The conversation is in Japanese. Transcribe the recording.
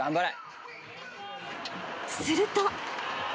［すると］